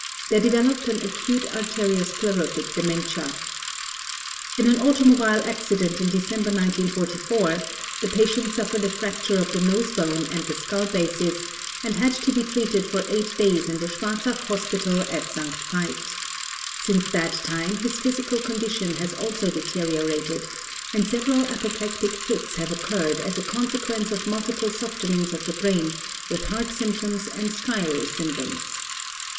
There developed an acute arteriosclerotic dementia. In an automobile accident in December, 1944, the patient suffered a fracture of the nose bone and the skull basis and had to be treated for eight days in the Schwarzach Hospital at St. Veith. Since that time, his physical condition has also deteriorated, and several apoplectic fits have occurred as a consequence of multiple softenings of the brain with heart symptoms and striary syndroms.